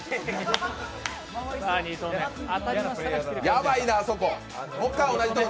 ヤバいな、あそこ。